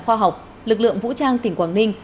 khoa học lực lượng vũ trang tỉnh quảng ninh